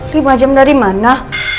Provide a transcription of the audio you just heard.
lima jam dari mana